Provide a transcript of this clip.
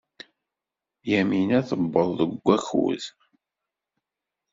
Yamina tuweḍ deg wakud.